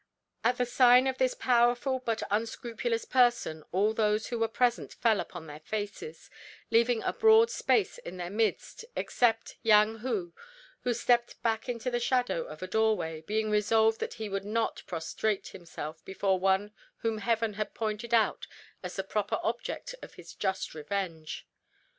At the sign of this powerful but unscrupulous person all those who were present fell upon their faces, leaving a broad space in their midst, except Yang Hu, who stepped back into the shadow of a doorway, being resolved that he would not prostrate himself before one whom Heaven had pointed out as the proper object of his just vengeance.